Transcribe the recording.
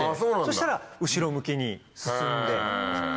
そしたら後ろ向きに進んで。